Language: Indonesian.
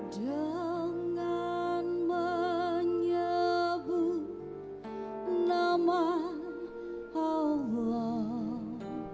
dengan menyebut nama allah